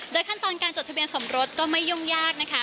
ขั้นตอนการจดทะเบียนสมรสก็ไม่ยุ่งยากนะคะ